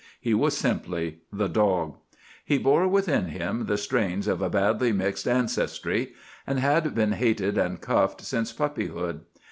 He was simply the dog. He bore within him the strains of a badly mixed ancestry, and had been hated and cuffed since puppyhood.